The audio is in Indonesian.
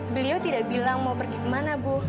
beliau tidak bilang mau pergi kemana bu